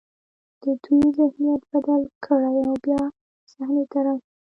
د دوی ذهنیت بدل کړي او بیا صحنې ته راشي.